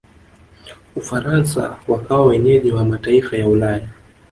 ufaransa wakawa wenyeji wa mataifa ya ulaya